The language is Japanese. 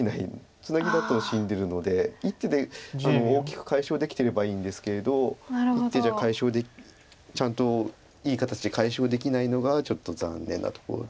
ツナギだと死んでるので１手で大きく解消できてればいいんですけれど１手じゃちゃんといい形で解消できないのがちょっと残念なところで。